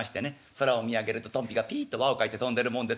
空を見上げるとトンビがピッと輪を描いて飛んでるもんですから。